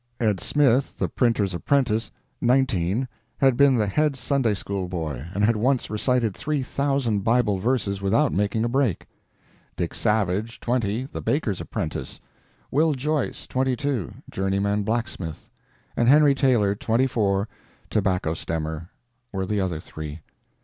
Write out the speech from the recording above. Ed Smith, the printer's apprentice, nineteen, had been the head Sunday school boy, and had once recited three thousand Bible verses without making a break. Dick Savage, twenty, the baker's apprentice; Will Joyce, twenty two, journeyman blacksmith; and Henry Taylor, twenty four, tobacco stemmer—were the other three.